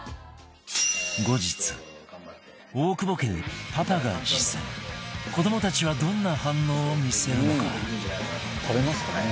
後日、大久保家でパパが実践子どもたちはどんな反応を見せるのか？